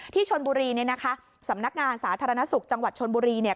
ที่ชนบุรีเนี่ยนะคะสำนักงานสาธารณสุขจังหวัดชนบุรีเนี่ย